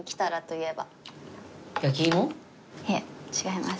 いえ違います。